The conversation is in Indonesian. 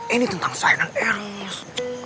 ini tentang saya dan eros